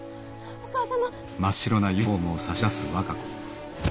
お母様。